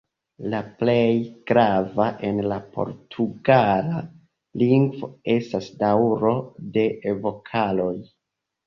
La plej grava en la portugala lingvo estas daŭro de vokaloj.